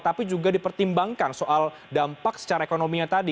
tapi juga dipertimbangkan soal dampak secara ekonominya tadi